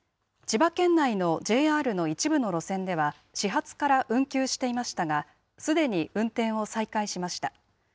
千葉県内のＪＲの一部の路線では、始発から運休していましたが、すでに運転を再開しました。